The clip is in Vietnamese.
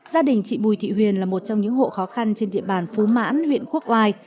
gia đình chị bùi thị huyền là một trong những hộ khó khăn trên địa bàn phú mãn huyện quốc oai